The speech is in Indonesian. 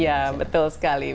iya betul sekali